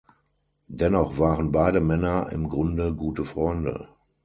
Dennoch waren beide Männer im Grunde gute Freunde.